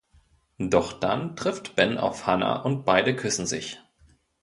Doch dann trifft Ben auf Hanna und beide küssen sich.